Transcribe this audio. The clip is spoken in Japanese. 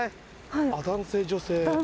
男性女性。